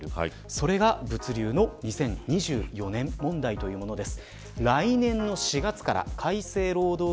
それが、物流の２０２４年問題というものです。